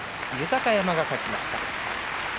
豊山が勝ちました。